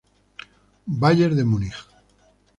Bayern de Múnich.